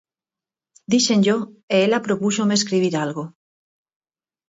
Díxenllo e ela propúxome escribir algo.